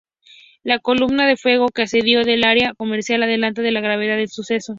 La columna de fuego que ascendió del área comercial adelantaba la gravedad del suceso.